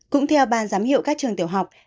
cũng theo ban giám hiệu các trường tiểu học